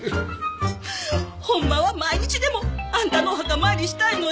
ホンマは毎日でもあんたのお墓参りしたいのえ。